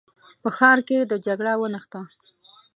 په ښار کې د جګړه ونښته.